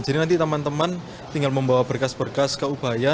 jadi nanti teman teman tinggal membawa berkas berkas ke ubaya